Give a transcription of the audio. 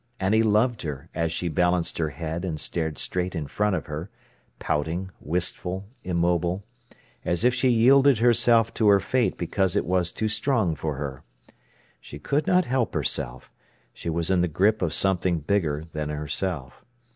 And he loved her as she balanced her head and stared straight in front of her, pouting, wistful, immobile, as if she yielded herself to her fate because it was too strong for her. She could not help herself; she was in the grip of something bigger than herself.